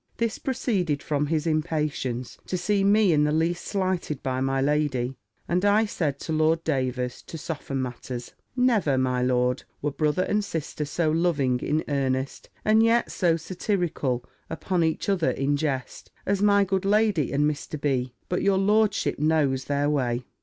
This proceeded from his impatience to see me in the least slighted by my lady; and I said to Lord Davers, to soften matters, "Never, my lord, were brother and sister so loving in earnest, and yet so satirical upon each other in jest, as my good lady and Mr. B. But your lordship knows their way."